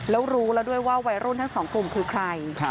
แล้วรู้แล้วด้วยว่าวัยรุ่นทั้งสองกลุ่มคือใคร